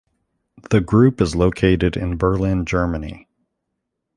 The group is located in Berlin, Germany.